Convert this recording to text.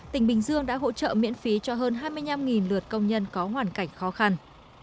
tỉnh bình dương đã hỗ trợ miễn phí cho hơn hai mươi năm lượt công nhân có hoàn cảnh khó khăn